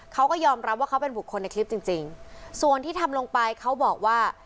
เขาก็ยอมรับว่าเขาเป็นบุคคลในคลิปจริงจริงส่วนที่ทำลงไปเขาบอกว่า